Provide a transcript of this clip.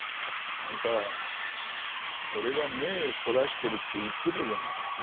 あんた俺が目ぇそらしてるって言ってたじゃねえか。